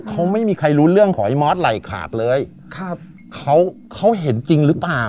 เขาไม่มีใครรู้เรื่องของไอ้มอสไหล่ขาดเลยครับเขาเขาเห็นจริงหรือเปล่า